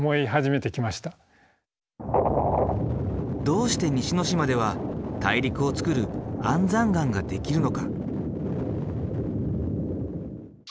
どうして西之島では大陸をつくる安山岩ができるのか？